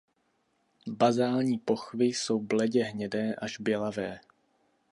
Bazální pochvy jsou bledě hnědé až bělavé.